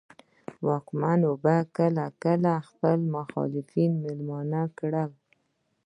واکمنو به کله کله خپل مخالفان مېلمانه کړل.